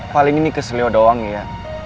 paling ini kesel doang ya